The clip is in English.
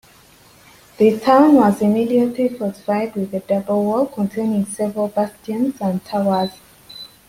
The town was immediately fortified with a double wall containing several bastions and towers.